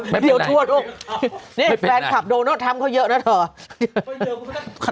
เดี๋ยวทั่วลงนี่แฟนท์ฝับโดนัลด์ทำเขาเยอะนะสะ